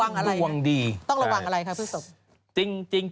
ต้องระวังอะไรครับพี่ซพ